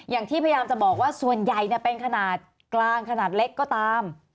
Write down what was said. อย่างที่พยายามจะบอกว่าส่วนใหญ่เป็นขนาดกลางขนาดเล็กก็ตาม